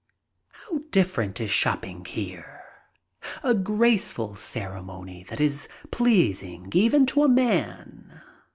How different is shopping here! A graceful ceremony that is pleasing even to a man.